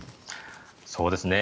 そうですね。